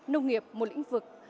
nông nghiệp một lĩnh vực